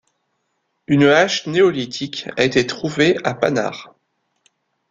Une hache néolithique a été trouvée à Pannard.